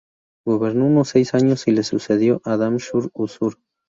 Gobernó unos seis años y le sucedió Adad-shum-usur.